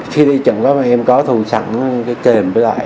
khi đi trận đó mà em có thu sẵn cái kềm với lại